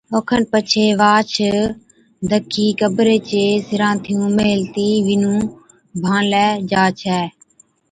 اوکن پڇي واھچ دکِي قبري چي سِرانٿيُون ميھلتِي وِنُون ڀانلَي جا ڇَي